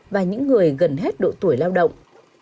và những người gần hết độ tuổi lao động